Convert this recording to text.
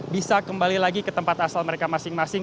bisa kembali lagi ke tempat asal mereka masing masing